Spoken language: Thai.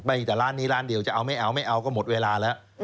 มีแต่ร้านนี้ร้านเดียวจะเอาไม่เอาไม่เอาก็หมดเวลาแล้ว